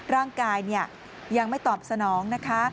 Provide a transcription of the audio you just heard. ร่างกายยังไม่ตอบสนองนะคะ